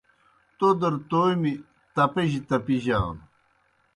تودر تومیْ تِپجیْ تپِیجانوْ